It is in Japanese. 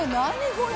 これ。